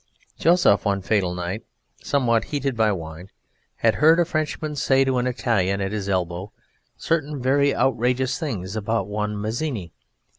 Joseph, one fatal night, somewhat heated by wine, had heard a Frenchman say to an Italian at his elbow certain very outrageous things about one Mazzini.